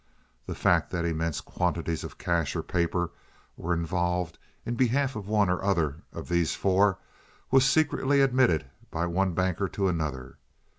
The fact that immense quantities of cash or paper were involved in behalf of one or other of these four was secretly admitted by one banker to another.